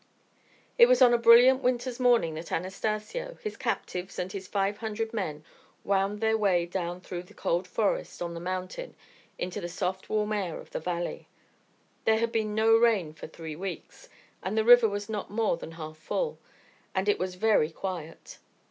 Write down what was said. It was on a brilliant winter's morning that Anastacio, his captives, and his five hundred men wound their way down through the cold forest on the mountain into the soft warm air of the valley. There had been no rain for three weeks, and the river was not more than half full; and it was very quiet.